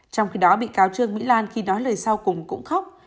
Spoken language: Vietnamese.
trong khi đó bị cáo trương mỹ lan khi nói lời sau cùng cũng khóc